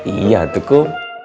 iya tuh kum